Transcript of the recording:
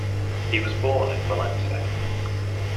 He was born in Valence.